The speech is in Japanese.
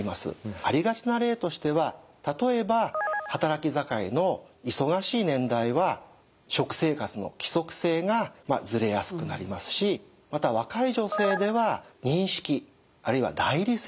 ありがちな例としては例えば働き盛りの忙しい年代は「食生活の規則性」がずれやすくなりますしまた若い女性では認識あるいは代理摂食。